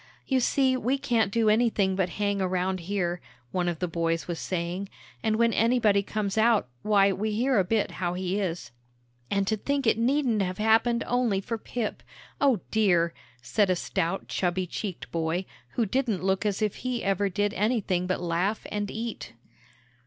"You see we can't do anything but hang around here," one of the boys was saying, "and when anybody comes out, why, we hear a bit how he is." "And to think it needn't have happened only for Pip, O dear!" said a stout, chubby cheeked boy, who didn't look as if he ever did anything but laugh and eat.